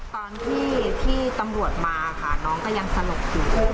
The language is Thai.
ตอนที่ตำรวจมาค่ะน้องก็ยังสลบอยู่